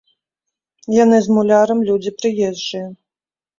Яны з мулярам людзі прыезджыя.